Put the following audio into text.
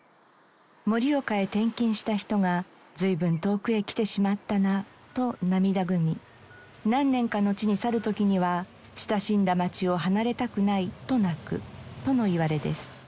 盛岡へ転勤した人が「随分遠くへ来てしまったな」と涙ぐみ何年かのちに去る時には「親しんだ町を離れたくない」と泣くとのいわれです。